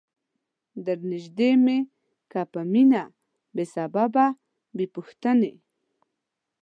درنیژدې می که په مینه بې سببه بې پوښتنی